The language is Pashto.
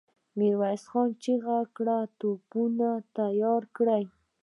ميرويس خان چيغه کړه! توپونه تيار کړئ!